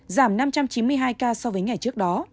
giảm năm trăm chín mươi hai ca so với ngày trước đó